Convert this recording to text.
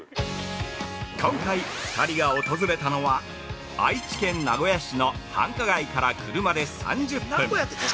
◆今回、２人が訪れたのは愛知県名古屋市の繁華街から車で３０分。